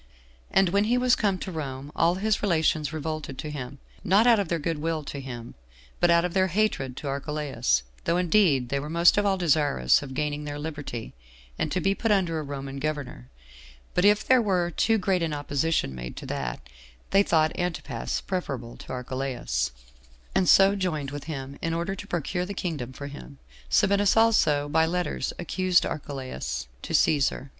And when he was come to Rome, all his relations revolted to him; not out of their good will to him, but out of their hatred to Archelaus; though indeed they were most of all desirous of gaining their liberty, and to be put under a Roman governor; but if there were too great an opposition made to that, they thought Antipas preferable to Archelaus, and so joined with him, in order to procure the kingdom for him. Sabinus also, by letters, accused Archelaus to Cæsar.